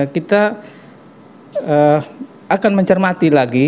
kita akan mencermati lagi